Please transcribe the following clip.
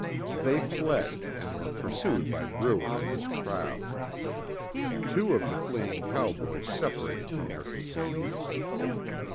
They fled and were pursued by Bruer and his crowd. Two of the fleeing cowboys separated from their companions.